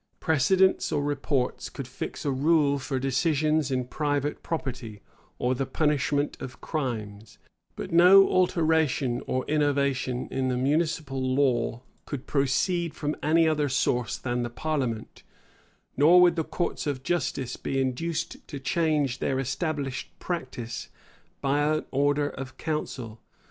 Precedents or reports could fix a rule for decisions in private property, or the punishment of crimes; but no alteration or innovation in the municipal law could proceed from any other source than the parliament; nor would the courts of justice be induced to change their established practice by an order of council.